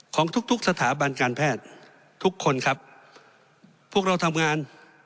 ของทุกทุกสถาบันการแพทย์ทุกคนครับพวกเราทำงาน